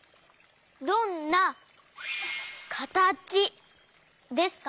どんなかたちですか？